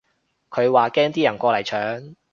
佢話驚啲人過嚟搶